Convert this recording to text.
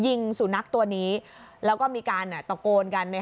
ยิงสู่นักตัวนี้แล้วก็มีการอ่ะตะโกนกันเนี่ย